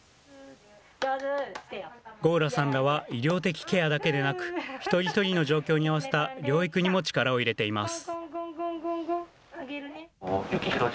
吾浦さんらは医療的ケアだけでなく一人一人の状況に合わせた療育にも力を入れています。